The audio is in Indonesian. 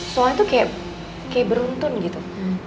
soalnya tuh kayak beruntun gitu